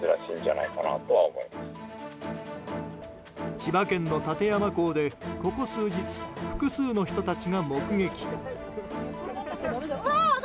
千葉県の館山港で、ここ数日複数の人たちが目撃。